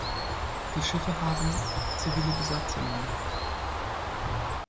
Die Schiffe haben zivile Besatzungen.